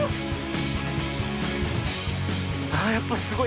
あやっぱすごい。